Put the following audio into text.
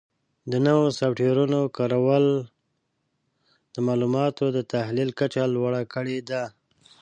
د نوو سافټویرونو کارول د معلوماتو د تحلیل کچه لوړه کړې ده.